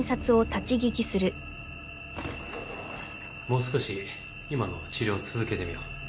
もう少し今の治療を続けてみよう